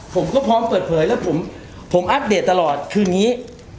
ผมก็พร้อมเปิดเผยและผมอัพเดทตลอดคือนี้